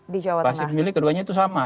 di basis pemilih keduanya itu sama